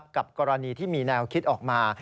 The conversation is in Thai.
กรณีที่มีแนวคิดออกมา